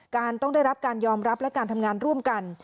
การต้องได้รับการยอมรับและการทำงานร่วมกัน